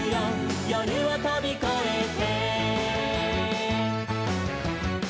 「夜をとびこえて」